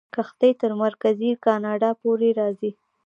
کښتۍ تر مرکزي کاناډا پورې راځي.